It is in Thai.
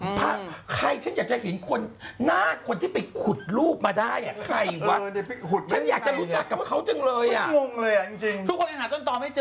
พระใครฉันจะเห็นคนหน้าคนที่ไปขุดรูปมาได้